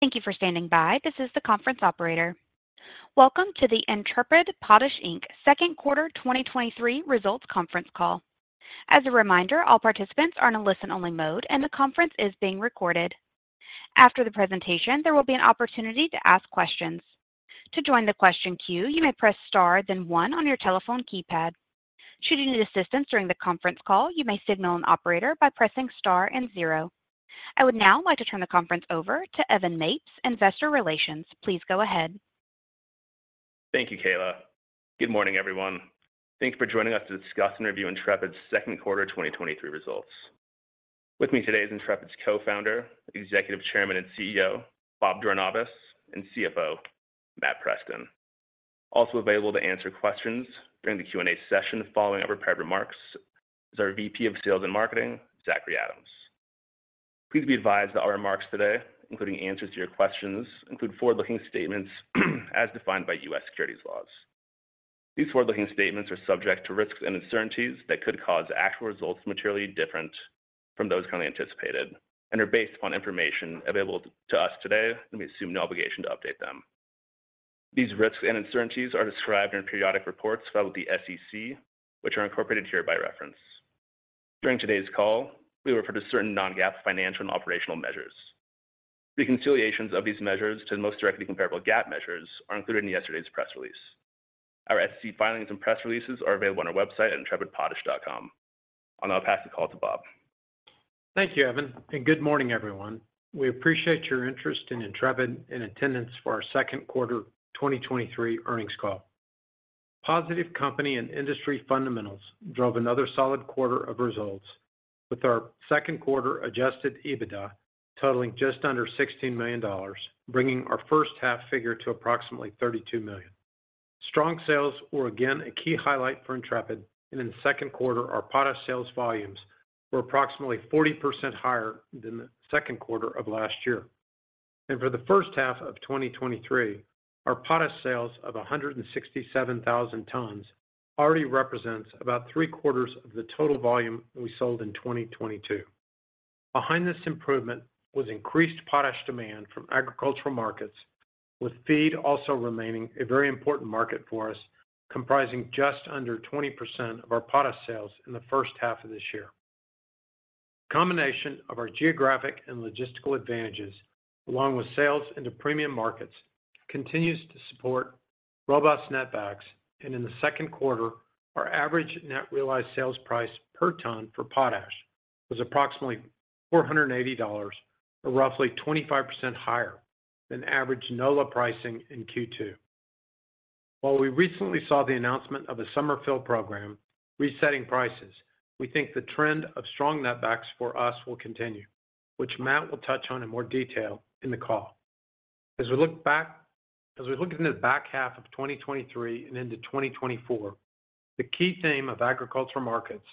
Thank you for standing by. This is the conference operator. Welcome to the Intrepid Potash Inc. Second Quarter 2023 Results Conference Call. As a reminder, all participants are in a listen-only mode, and the conference is being recorded. After the presentation, there will be an opportunity to ask questions. To join the question queue, you may press star, then one on your telephone keypad. Should you need assistance during the conference call, you may signal an operator by pressing star and zero. I would now like to turn the conference over to Evan Mapes, Investor Relations. Please go ahead. Thank you, Kayla. Good morning, everyone. Thank you for joining us to discuss and review Intrepid's Second Quarter Quarter 2023 Results. With me today is Intrepid's Co-founder, Executive Chairman, and CEO, Bob Jornayvaz, and CFO, Matt Preston. Also available to answer questions during the Q&A session, following our prepared remarks, is our VP of Sales and Marketing, Zachary Adams. Please be advised that our remarks today, including answers to your questions, include forward-looking statements, as defined by U.S. securities laws. These forward-looking statements are subject to risks and uncertainties that could cause actual results materially different from those currently anticipated and are based upon information available to us today, and we assume no obligation to update them. These risks and uncertainties are described in periodic reports filed with the SEC, which are incorporated here by reference. During today's call, we refer to certain non-GAAP financial and operational measures. The reconciliations of these measures to the most directly comparable GAAP measures are included in yesterday's press release. Our SEC filings and press releases are available on our website at intrepidpotash.com. I'll now pass the call to Bob. Thank you, Evan, and good morning, everyone. We appreciate your interest in Intrepid and attendance for our second quarter 2023 earnings call. Positive company and industry fundamentals drove another solid quarter of results, with our second quarter adjusted EBITDA totaling just under $16 million, bringing our first half figure to approximately $32 million. Strong sales were again a key highlight for Intrepid, and in the second quarter, our potash sales volumes were approximately 40% higher than the second quarter of last year. For the first half of 2023, our potash sales of 167,000 tons already represents about three-quarters of the total volume we sold in 2022. Behind this improvement was increased potash demand from agricultural markets, with feed also remaining a very important market for us, comprising just under 20% of our potash sales in the first half of this year. Combination of our geographic and logistical advantages, along with sales into premium markets, continues to support robust netbacks, and in the second quarter, our average net realized sales price per ton for potash was approximately $480 or roughly 25% higher than average NOLA pricing in Q2. While we recently saw the announcement of a summer fill program resetting prices, we think the trend of strong netbacks for us will continue, which Matt will touch on in more detail in the call. As we look in the back half of 2023 and into 2024, the key theme of agricultural markets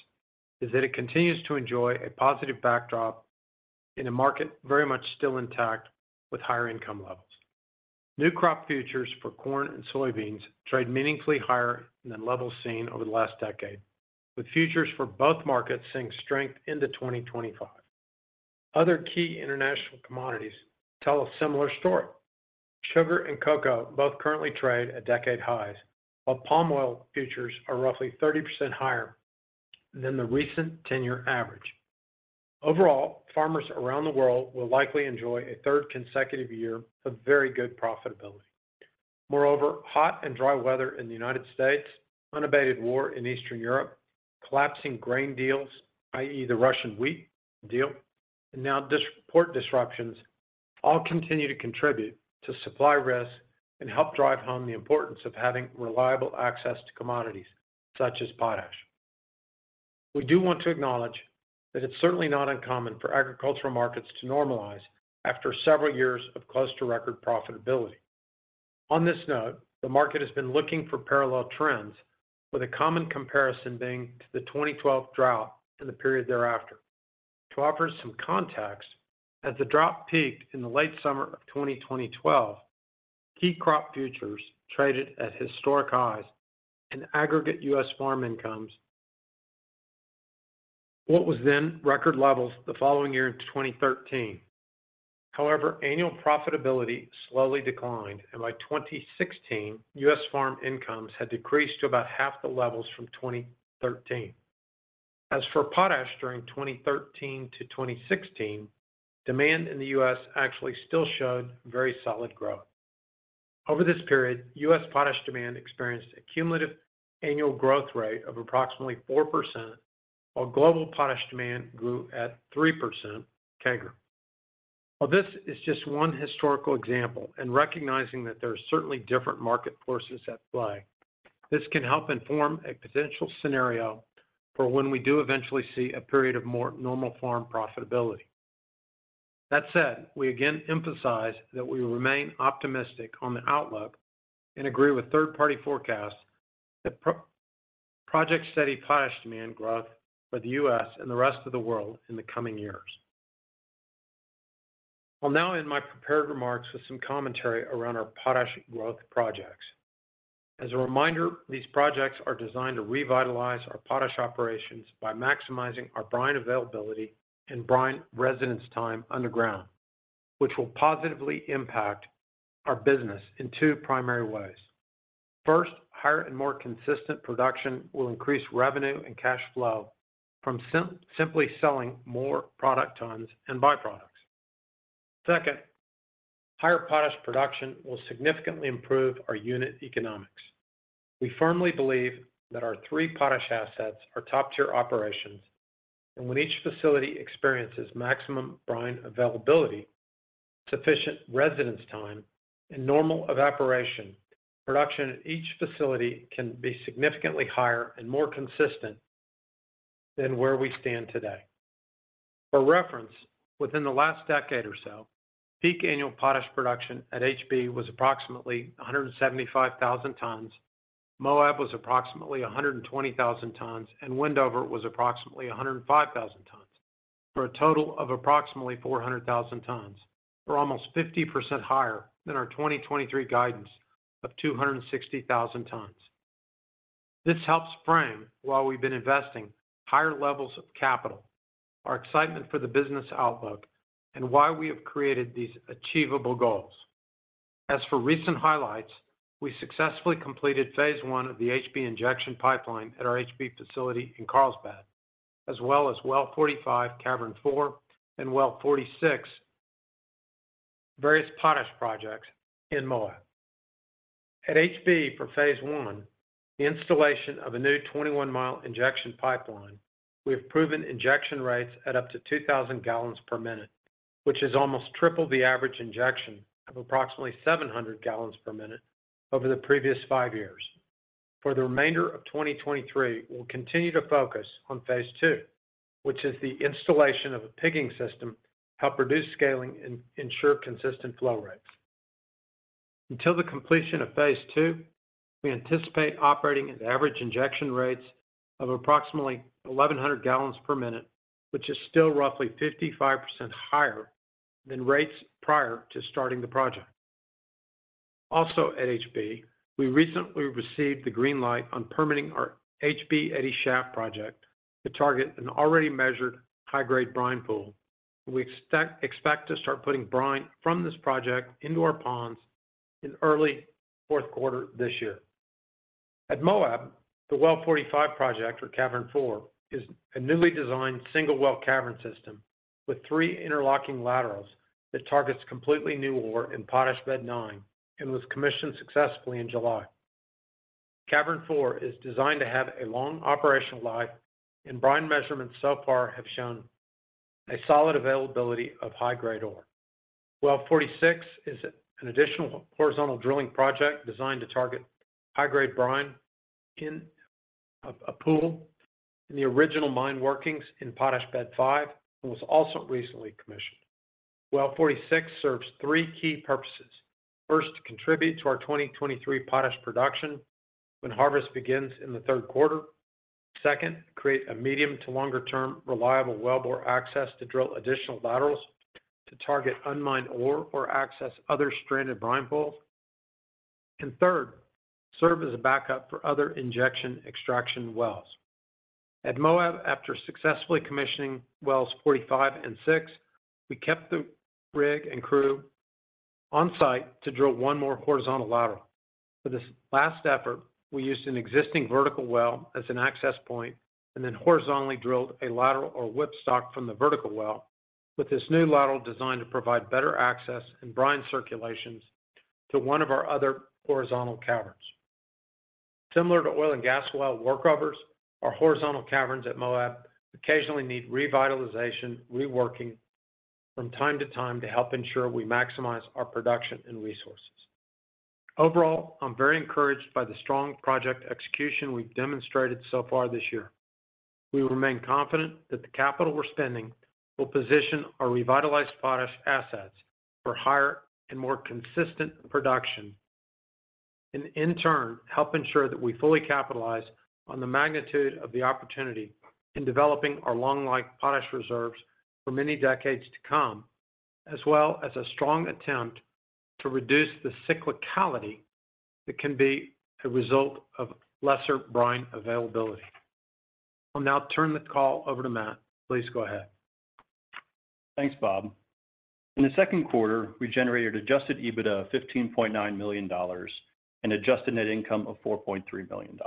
is that it continues to enjoy a positive backdrop in a market very much still intact with higher income levels. New crop futures for corn and soybeans trade meaningfully higher than levels seen over the last decade, with futures for both markets seeing strength into 2025. Other key international commodities tell a similar story. Sugar and cocoa both currently trade at decade highs, while palm oil futures are roughly 30% higher than the recent 10 year average. Overall, farmers around the world will likely enjoy a third consecutive year of very good profitability. Moreover, hot and dry weather in the United States, unabated war in Eastern Europe, collapsing grain deals, i.e., the Russian wheat deal, and now port disruptions, all continue to contribute to supply risks and help drive home the importance of having reliable access to commodities such as potash. We do want to acknowledge that it's certainly not uncommon for agricultural markets to normalize after several years of close to record profitability. On this note, the market has been looking for parallel trends, with a common comparison being to the 2012 drought and the period thereafter. To offer some context, as the drought peaked in the late summer of 2012, key crop futures traded at historic highs and aggregate U.S. farm incomes, what was then record levels the following year in 2013. However, annual profitability slowly declined, and by 2016, U.S. farm incomes had decreased to about half the levels from 2013. As for potash, during 2013 to 2016, demand in the US actually still showed very solid growth. Over this period, U.S. potash demand experienced a cumulative annual growth rate of approximately 4%, while global potash demand grew at 3% CAGR. While this is just one historical example and recognizing that there are certainly different market forces at play, this can help inform a potential scenario for when we do eventually see a period of more normal farm profitability. That said, we again emphasize that we remain optimistic on the outlook and agree with third-party forecasts that project steady potash demand growth for the US and the rest of the world in the coming years. I'll now end my prepared remarks with some commentary around our potash growth projects. As a reminder, these projects are designed to revitalize our potash operations by maximizing our brine availability and brine residence time underground, which will positively impact our business in two primary ways. First, higher and more consistent production will increase revenue and cash flow from simply selling more product tons and byproducts. Second, higher potash production will significantly improve our unit economics. We firmly believe that our three potash assets are top-tier operations, and when each facility experiences maximum brine availability, sufficient residence time, and normal evaporation, production at each facility can be significantly higher and more consistent than where we stand today. For reference, within the last decade or so, peak annual potash production at HB was approximately 175,000 tons, Moab was approximately 120,000 tons, and Wendover was approximately 105,000 tons, for a total of approximately 400,000 tons, or almost 50% higher than our 2023 guidance of 260,000 tons. This helps frame, while we've been investing higher levels of capital, our excitement for the business outlook and why we have created these achievable goals. As for recent highlights, we successfully completed phase I of the HB injection pipeline at our HB facility in Carlsbad, as well as Well 45, Cavern 4, and Well 46, various potash projects in Moab. At HB, for phase I, the installation of a new 21-mile injection pipeline, we have proven injection rates at up to 2,000 gallons per minute, which is almost triple the average injection of approximately 700 gallons per minute over the previous five years. For the remainder of 2023, we'll continue to focus on phase II, which is the installation of a pigging system to help reduce scaling and ensure consistent flow rates. Until the completion of phase II, we anticipate operating at average injection rates of approximately 1,100 gallons per minute, which is still roughly 55% higher than rates prior to starting the project. Also at HB, we recently received the green light on permitting our HB Eddy Shaft project to target an already measured high-grade brine pool. We expect to start putting brine from this project into our ponds in early fourth quarter this year. At Moab, the Well 45 project for Cavern 4 is a newly designed single well cavern system with three interlocking laterals that targets completely new ore in Potash Bed 9 and was commissioned successfully in July. Cavern 4 is designed to have a long operational life, and brine measurements so far have shown a solid availability of high-grade ore. Well 46 is an additional horizontal drilling project designed to target high-grade brine in a pool in the original mine workings in Potash Bed 5, and was also recently commissioned. Well 46 serves three key purposes. First, to contribute to our 2023 potash production when harvest begins in the third quarter. Second, create a medium to longer term reliable wellbore access to drill additional laterals to target unmined ore or access other stranded brine pools. Third, serve as a backup for other injection extraction wells. At Moab, after successfully commissioning Wells 45 and 46, we kept the rig and crew on site to drill one more horizontal lateral. For this last effort, we used an existing vertical well as an access point, and then horizontally drilled a lateral or whipstock from the vertical well, with this new lateral designed to provide better access and brine circulations to one of our other horizontal caverns. Similar to oil and gas well workovers, our horizontal caverns at Moab occasionally need revitalization, reworking from time to time to help ensure we maximize our production and resources. Overall, I'm very encouraged by the strong project execution we've demonstrated so far this year. We remain confident that the capital we're spending will position our revitalized potash assets for higher and more consistent production, and in turn, help ensure that we fully capitalize on the magnitude of the opportunity in developing our long-life potash reserves for many decades to come, as well as a strong attempt to reduce the cyclicality that can be a result of lesser brine availability. I'll now turn the call over to Matt. Please go ahead. Thanks, Bob. In the second quarter, we generated adjusted EBITDA of $15.9 million and adjusted net income of $4.3 million.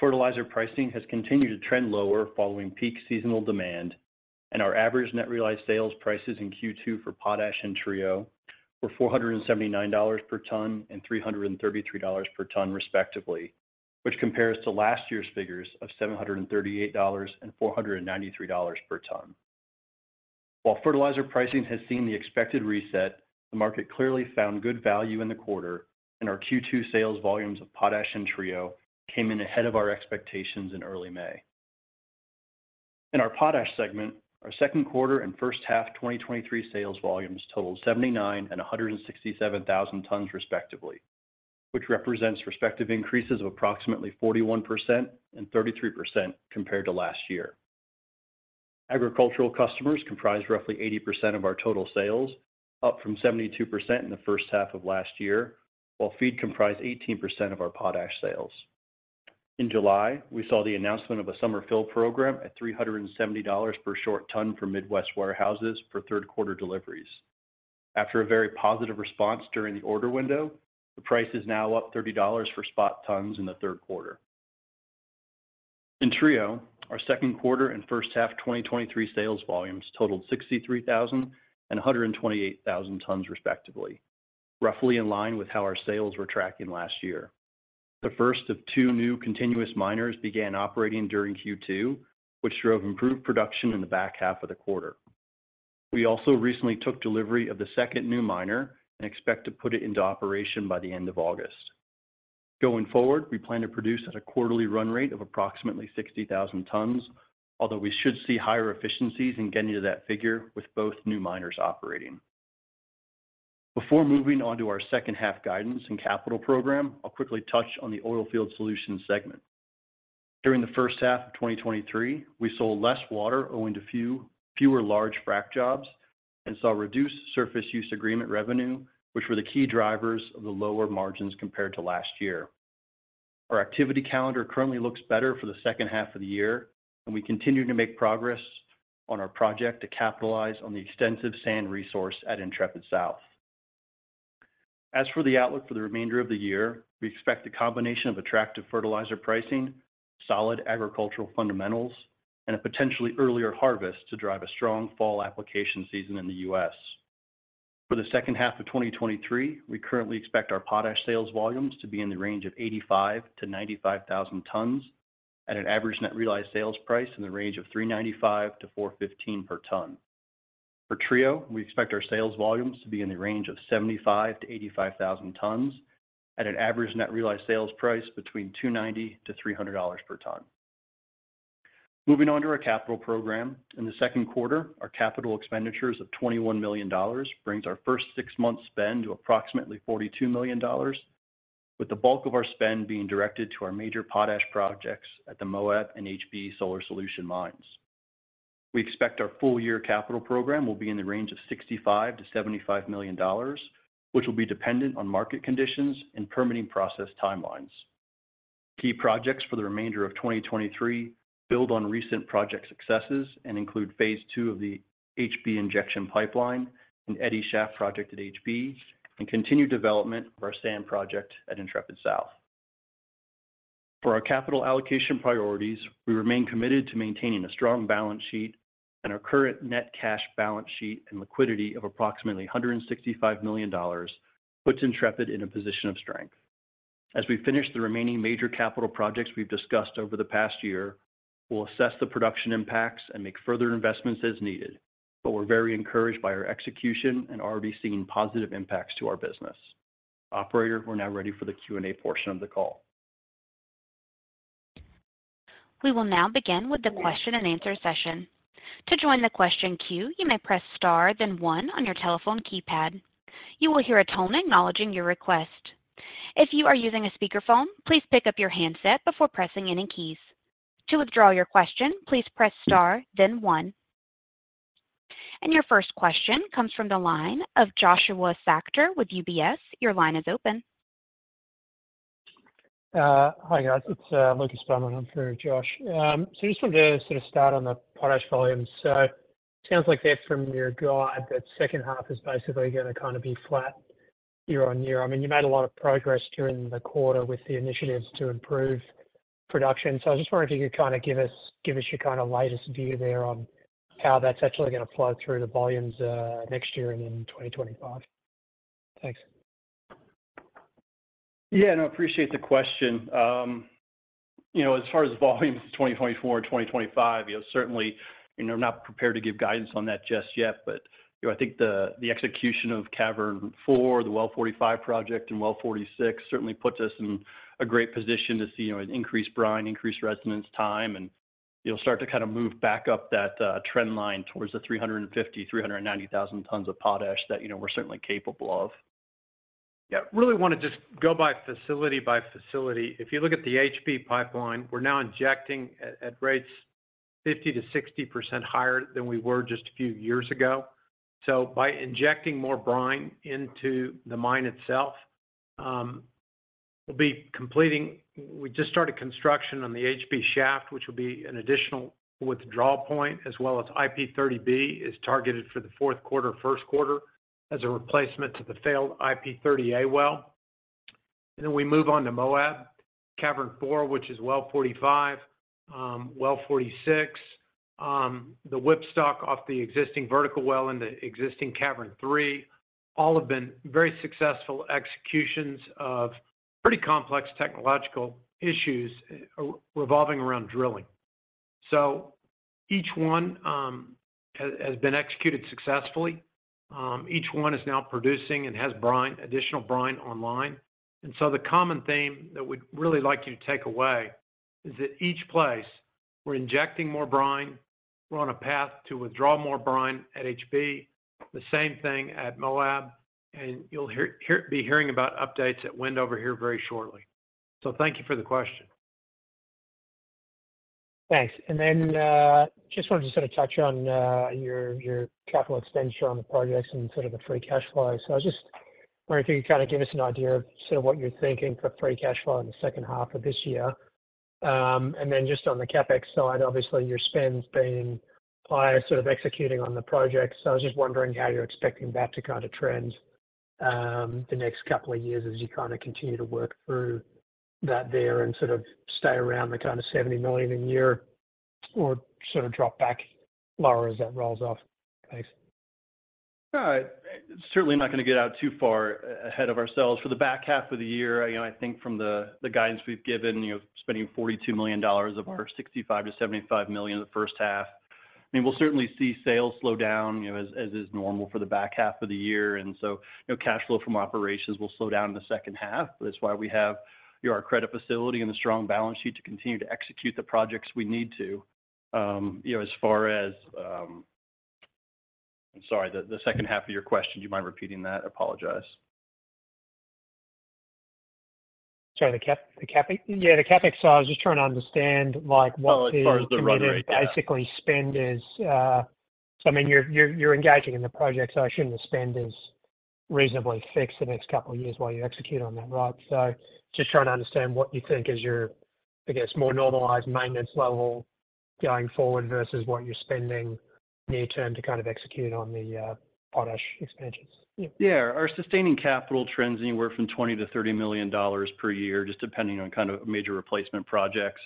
Fertilizer pricing has continued to trend lower following peak seasonal demand, our average net realized sales prices in Q2 for potash and Trio were $479 per ton and $333 per ton, respectively, which compares to last year's figures of $738 and $493 per ton. While fertilizer pricing has seen the expected reset, the market clearly found good value in the quarter, our Q2 sales volumes of potash and Trio came in ahead of our expectations in early May. In our potash segment, our second quarter and first half 2023 sales volumes totaled 79 and 167,000 tons, respectively, which represents respective increases of approximately 41% and 33% compared to last year. Agricultural customers comprise roughly 80% of our total sales, up from 72% in the first half of last year, while feed comprised 18% of our potash sales. In July, we saw the announcement of a summer fill program at $370 per short ton for Midwest warehouses for third quarter deliveries. After a very positive response during the order window, the price is now up $30 for spot tons in the third quarter. In Trio, our second quarter and first half, 2023 sales volumes totaled 63,000 and 128,000 tons, respectively, roughly in line with how our sales were tracking last year. The first of two new continuous miners began operating during Q2, which drove improved production in the back half of the quarter. We also recently took delivery of the second new miner and expect to put it into operation by the end of August. Going forward, we plan to produce at a quarterly run rate of approximately 60,000 tons, although we should see higher efficiencies in getting to that figure with both new miners operating. Before moving on to our second half guidance and capital program, I'll quickly touch on the Oilfield Solutions segment. During the first half of 2023, we sold less water owing to fewer large frac jobs and saw reduced surface use agreement revenue, which were the key drivers of the lower margins compared to last year. Our activity calendar currently looks better for the second half of the year, and we continue to make progress on our project to capitalize on the extensive sand resource at Intrepid South. As for the outlook for the remainder of the year, we expect a combination of attractive fertilizer pricing, solid agricultural fundamentals, and a potentially earlier harvest to drive a strong fall application season in the U.S. For the second half of 2023, we currently expect our potash sales volumes to be in the range of 85,000-95,000 tons, at an average net realized sales price in the range of $395-$415 per ton. For Trio, we expect our sales volumes to be in the range of 75,000-85,000 tons at an average net realized sales price between $290-$300 per ton. Moving on to our capital program. In the second quarter, our capital expenditures of $21 million brings our first six months spend to approximately $42 million, with the bulk of our spend being directed to our major potash projects at the Moab and HB Solar Solution mines. We expect our full year capital program will be in the range of $65 million to $75 million, which will be dependent on market conditions and permitting process timelines. Key projects for the remainder of 2023 build on recent project successes and include phase II of the HB injection pipeline, an Eddy Shaft project at HB, and continued development of our sand project at Intrepid South. For our capital allocation priorities, we remain committed to maintaining a strong balance sheet. Our current net cash balance sheet and liquidity of approximately $165 million puts Intrepid in a position of strength. As we finish the remaining major capital projects we've discussed over the past year, we'll assess the production impacts and make further investments as needed. We're very encouraged by our execution and already seeing positive impacts to our business. Operator, we're now ready for the Q&A portion of the call. We will now begin with the question-and-answer session. To join the question queue, you may press star, then one on your telephone keypad. You will hear a tone acknowledging your request. If you are using a speakerphone, please pick up your handset before pressing any keys. To withdraw your question, please press star, then one. Your first question comes from the line of Joshua Spector with UBS. Your line is open. Hi, guys. It's Lucas Beaumont, in for Josh. Just want to sort of start on the potash volumes. It sounds like that from your guide, that second half is basically gonna kinda be flat year-on-year. I mean, you made a lot of progress during the quarter with the initiatives to improve production. I just wondered if you could kinda give us, give us your kinda latest view there on how that's actually gonna flow through the volumes next year and in 2025. Thanks. Yeah, no, I appreciate the question. you know, as far as volumes, 2024 and 2025, you know, certainly, you know, I'm not prepared to give guidance on that just yet. you know, I think the, the execution of Cavern 4, the Well 45 project, and Well 46 certainly puts us in a great position to see, you know, an increased brine, increased residence time, and you'll start to kinda move back up that, trend line towards the 350, 390,000 tons of potash that, you know, we're certainly capable of. Yeah, really wanna just go by facility by facility. If you look at the HB pipeline, we're now injecting at rates 50% to 60% higher than we were just a few years ago. By injecting more brine into the mine itself, we'll be completing we just started construction on the HB shaft, which will be an additional withdrawal point, as well as IP30B is targeted for the fourth quarter, first quarter as a replacement to the failed IP30A well. We move on to Moab, Cavern 4, which is Well 45, Well 46, the whipstock off the existing vertical well in the existing Cavern 3, all have been very successful executions of pretty complex technological issues revolving around drilling. Each one has been executed successfully. Each one is now producing and has brine, additional brine online. The common theme that we'd really like you to take away is that each place we're injecting more brine, we're on a path to withdraw more brine at HB, the same thing at Moab, and you'll be hearing about updates at Wendover here very shortly. Thank you for the question. Thanks. Then, just wanted to sort of touch on, your, your capital expenditure on the projects and sort of the free cash flow. I was just wondering if you could kind of give us an idea of sort of what you're thinking for free cash flow in the second half of this year. Then just on the CapEx side, obviously, your spend's been higher, sort of executing on the project. I was just wondering how you're expecting that to kind of trend, the next couple of years as you kind of continue to work through that there and sort of stay around the kind of $70 million in year, or sort of drop back lower as that rolls off. Thanks. Certainly not gonna get out too far ahead of ourselves. For the back half of the year, you know, I think from the guidance we've given, you know, spending $42 million of our $65 million to $75 million in the first half. I mean, we'll certainly see sales slow down, you know, as is normal for the back half of the year, and so, you know, cash flow from operations will slow down in the second half. That's why we have, you know, our credit facility and a strong balance sheet to continue to execute the projects we need to. You know, as far as, I'm sorry, the second half of your question, do you mind repeating that? I apologize. Sorry, the CapEx? Yeah, the CapEx, so I was just trying to understand, like, what the- Oh, as far as the run rate. basically spend is, so I mean, you're, you're, you're engaging in the project, so I assume the spend is reasonably fixed the next two years while you execute on that, right? Just trying to understand what you think is your, I guess, more normalized maintenance level going forward versus what you're spending near term to kind of execute on the potash expansions. Yeah. Yeah. Our sustaining capital trends anywhere from $20 million to $30 million per year, just depending on kind of major replacement projects.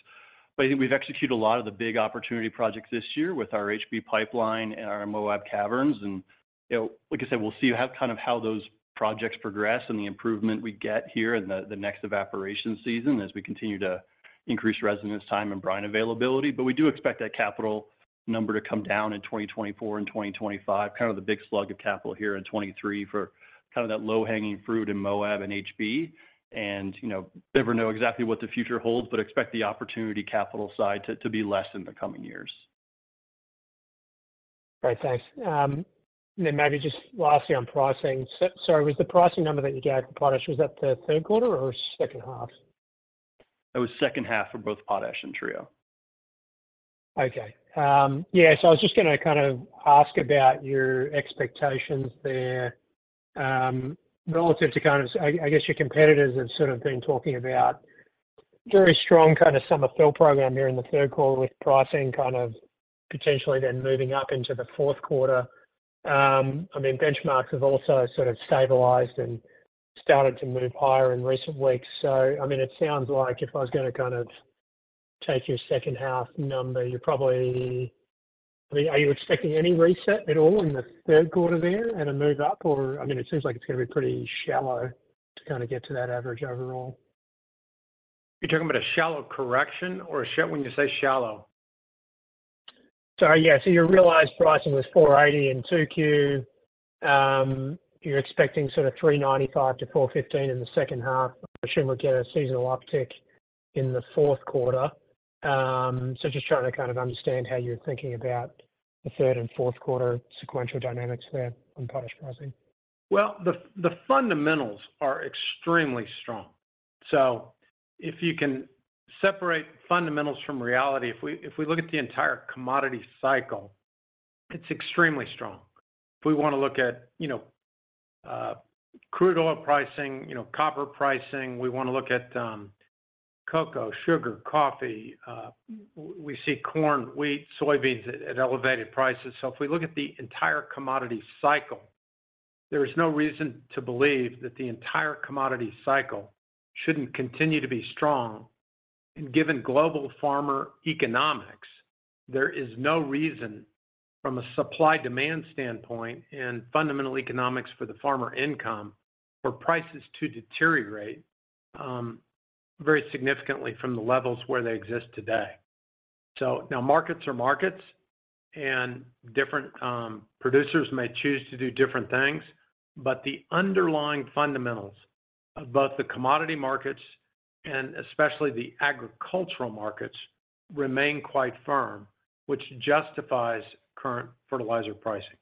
I think we've executed a lot of the big opportunity projects this year with our HB pipeline and our Moab caverns, and, you know, like I said, we'll see how, kind of how those projects progress and the improvement we get here in the, the next evaporation season as we continue to increase residence time and brine availability. We do expect that capital number to come down in 2024 and 2025, kind of the big slug of capital here in 2023 for kind of that low-hanging fruit in Moab and HB. You know, never know exactly what the future holds, but expect the opportunity capital side to, to be less in the coming years. Great, thanks. then maybe just lastly on pricing. so was the pricing number that you gave for potash, was that the third quarter or second half? That was second half for both Potash and Trio. Okay. Yeah, so I was just gonna kind of ask about your expectations there, relative to I guess your competitors have sort of been talking about very strong kind of summer fill program here in the third quarter, with pricing kind of potentially then moving up into the fourth quarter. I mean, benchmarks have also sort of stabilized and started to move higher in recent weeks. I mean, it sounds like if I was gonna kind of take your second half number, I mean, are you expecting any reset at all in the third quarter there and a move up, or I mean, it seems like it's gonna be pretty shallow to kind of get to that average overall? You're talking about a shallow correction or when you say shallow? Yeah, so your realized pricing was $480 in 2Q. You're expecting sort of $395-$415 in the second half. I assume we'll get a seasonal uptick in the fourth quarter. Just trying to kind of understand how you're thinking about the third and fourth quarter sequential dynamics there on potash pricing. Well, the fundamentals are extremely strong. If you can separate fundamentals from reality, if we look at the entire commodity cycle, it's extremely strong. If we wanna look at, you know, crude oil pricing, you know, copper pricing, we wanna look at cocoa, sugar, coffee, we see corn, wheat, soybeans at elevated prices. If we look at the entire commodity cycle, there is no reason to believe that the entire commodity cycle shouldn't continue to be strong. Given global farmer economics, there is no reason from a supply-demand standpoint and fundamental economics for the farmer income, for prices to deteriorate very significantly from the levels where they exist today. Now markets are markets, and different producers may choose to do different things, but the underlying fundamentals of both the commodity markets and especially the agricultural markets, remain quite firm, which justifies current fertilizer pricing.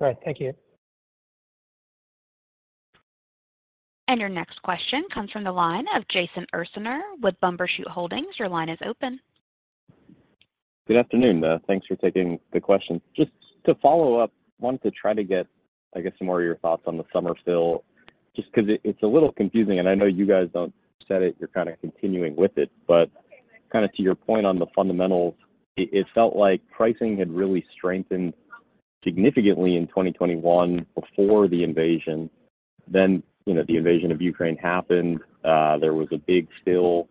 Great, thank you. Your next question comes from the line of Jason Ursaner with Bumbershoot Holdings. Your line is open. Good afternoon. Thanks for taking the question. Just to follow up, wanted to try to get, I guess, some more of your thoughts on the summer fill, just because it, it's a little confusing, and I know you guys don't set it, you're kind of continuing with it. Kind of to your point on the fundamentals it felt like pricing had really strengthened significantly in 2021 before the invasion. You know, the invasion of Ukraine happened, there was a big still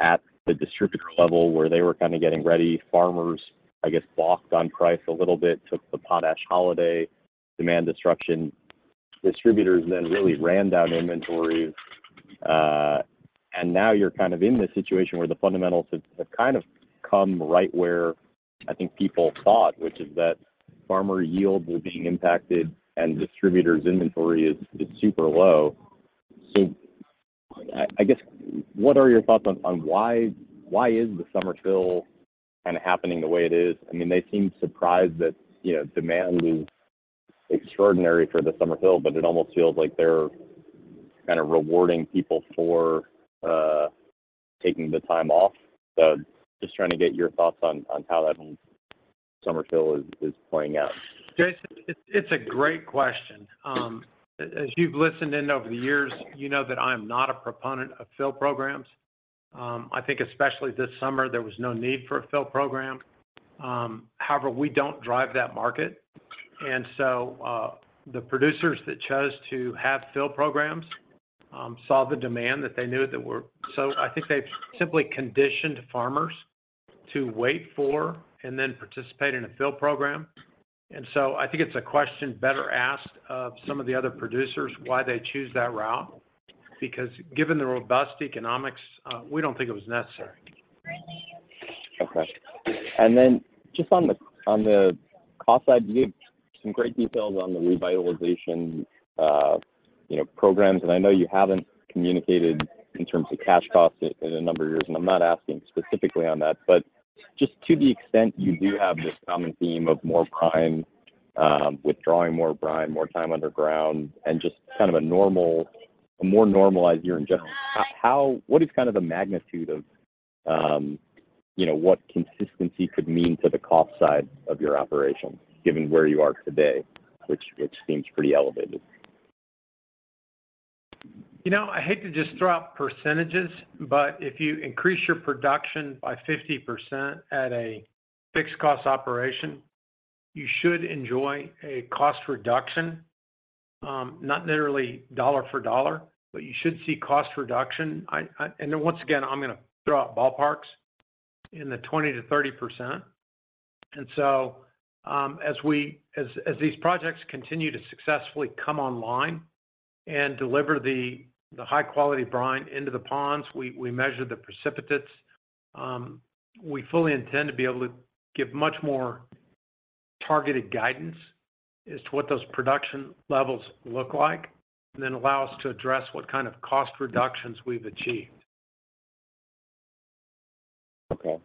at the distributor level where they were kind of getting ready. Farmers, I guess, walked on price a little bit, took the potash holiday, demand destruction. Distributors then really ran down inventory, and now you're kind of in this situation where the fundamentals have, have kind of come right where I think people thought, which is that farmer yields were being impacted and distributors inventory is, is super low. I guess, what are your thoughts on why is the summer fill kind of happening the way it is? I mean, they seem surprised that, you know, demand is extraordinary for the summer fill, but it almost feels like they're kind of rewarding people for, taking the time off. Just trying to get your thoughts on, on how that summer fill is, is playing out. Jason, it's, it's a great question. As you've listened in over the years, you know that I'm not a proponent of Summer Fill Programs. I think especially this summer, there was no need for a Summer Fill Program. However, we don't drive that market. The producers that chose to have Summer Fill Programs, saw the demand that they knew. I think they've simply conditioned farmers to wait for and then participate in a Summer Fill Program. I think it's a question better asked of some of the other producers why they choose that route, because given the robust economics, we don't think it was necessary. Okay. Then just on the, on the cost side, you gave some great details on the revitalization, you know, programs, and I know you haven't communicated in terms of cash costs in a number of years, and I'm not asking specifically on that. But just to the extent you do have this common theme of more brine, withdrawing more brine, more time underground, and just kind of a normal a more normalized year in general, how what is kind of the magnitude of, you know, what consistency could mean to the cost side of your operation, given where you are today, which, which seems pretty elevated? You know, I hate to just throw out percentages, but if you increase your production by 50% at a fixed cost operation, you should enjoy a cost reduction, not necessarily dollar for dollar, but you should see cost reduction. Then once again, I'm gonna throw out ballparks, in the 20%-30%. So, as we, as these projects continue to successfully come online and deliver the, the high quality brine into the ponds, we, we measure the precipitates. We fully intend to be able to give much more targeted guidance as to what those production levels look like, and then allow us to address what kind of cost reductions we've achieved. Okay.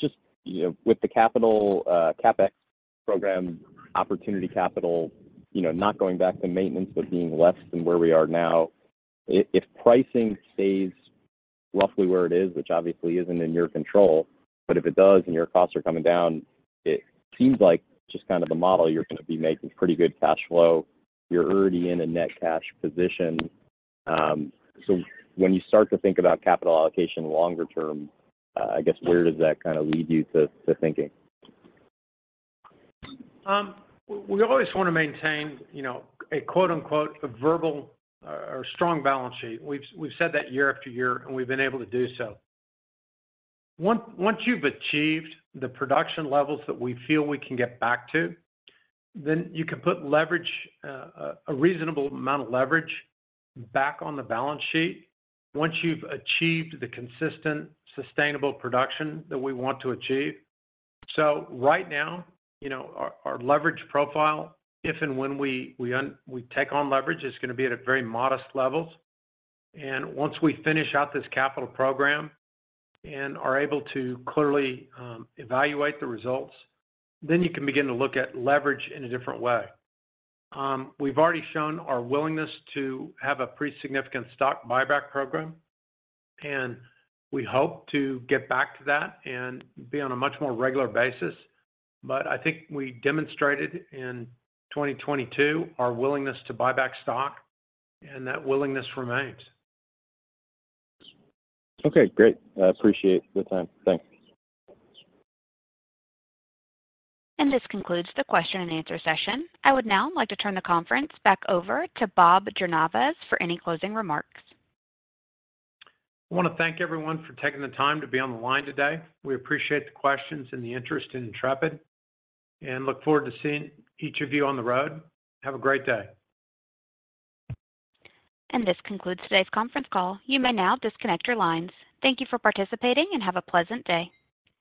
Just, you know, with the capital, CapEx program, opportunity capital, you know, not going back to maintenance, but being less than where we are now, if, if pricing stays roughly where it is, which obviously isn't in your control, but if it does and your costs are coming down, it seems like just kind of the model you're gonna be making pretty good cash flow. You're already in a net cash position. When you start to think about capital allocation longer term, I guess where does that kind of lead you to, to thinking? We always want to maintain, you know, a quote-unquote, "a verbal, or strong balance sheet." We've said that year after year, and we've been able to do so. Once, once you've achieved the production levels that we feel we can get back to, then you can put leverage, a reasonable amount of leverage back on the balance sheet once you've achieved the consistent, sustainable production that we want to achieve. So right now, you know, our, our leverage profile, if and when we, we take on leverage, is gonna be at a very modest level. And once we finish out this capital program and are able to clearly, evaluate the results, then you can begin to look at leverage in a different way. We've already shown our willingness to have a pretty significant stock buyback program, and we hope to get back to that and be on a much more regular basis. I think we demonstrated in 2022 our willingness to buy back stock, and that willingness remains. Okay, great. I appreciate the time. Thanks. This concludes the question-and-answer session. I would now like to turn the conference back over to Bob Jornayvaz for any closing remarks. I want to thank everyone for taking the time to be on the line today. We appreciate the questions and the interest in Intrepid, and look forward to seeing each of you on the road. Have a great day. This concludes today's conference call. You may now disconnect your lines. Thank you for participating, and have a pleasant day.